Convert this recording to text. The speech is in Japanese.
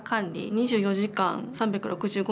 ２４時間３６５日